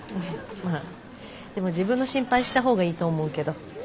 まあでも自分の心配した方がいいと思うけど。